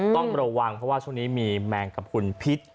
ต้องระวังเพราะว่าช่วงนี้มีแมงกระพุนพิษ